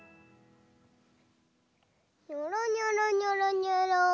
にょろにょろにょろにょろ。